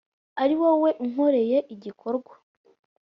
iriwowe unkoreye igikorwa